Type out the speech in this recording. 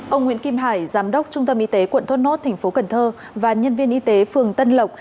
ông nguyễn kim hải giám đốc trung tâm y tế quận thốt nốt tp cnh và nhân viên y tế phường tân lộc